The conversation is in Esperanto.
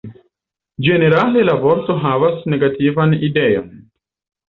Ĝenerale la vorto havas negativan ideon.